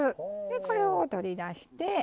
でこれを取り出して。